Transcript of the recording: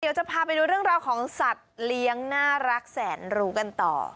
เดี๋ยวจะพาไปดูเรื่องราวของสัตว์เลี้ยงน่ารักแสนรู้กันต่อ